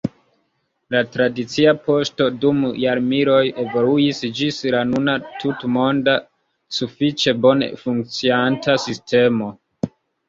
La tradicia poŝto dum jarmiloj evoluis ĝis la nuna tutmonda, sufiĉe bone funkcianta sistemo.